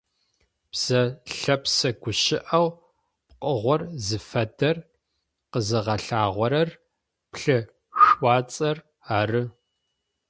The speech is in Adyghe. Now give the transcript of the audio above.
Бзэ лъэпсэ гущыӀэу пкъыгъор зыфэдэр къэзыгъэлъагъорэр плъышъуацӀэр ары.